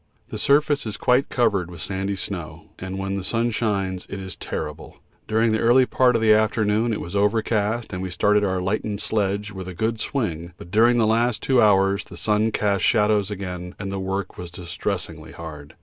The surface is quite covered with sandy snow, and when the sun shines it is terrible. During the early part of the afternoon it was overcast, and we started our lightened sledge with a good swing, but during the last two hours the sun cast shadows again, and the work was distressingly hard.